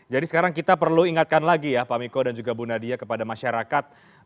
jadi sekarang kita perlu ingatkan lagi ya pak miko dan juga bu nadia kepada masyarakat